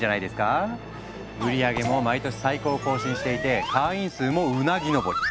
売り上げも毎年最高を更新していて会員数もうなぎ登り。